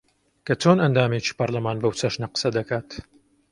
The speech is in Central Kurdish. کە چۆن ئەندامێکی پەرلەمان بەو چەشنە قسە دەکات